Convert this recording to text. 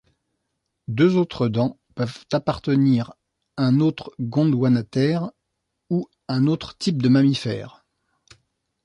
Deux autres dents peuvent appartenir un autre gondwanathère ou un autre type de mammifère.